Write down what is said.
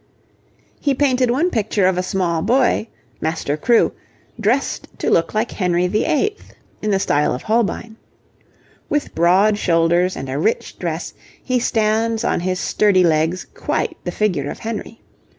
He painted one picture of a small boy, Master Crewe, dressed to look like Henry VIII. in the style of Holbein. With broad shoulders and a rich dress, he stands on his sturdy legs quite the figure of Henry.